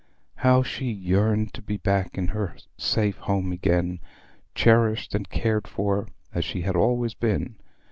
How she yearned to be back in her safe home again, cherished and cared for as she had always been!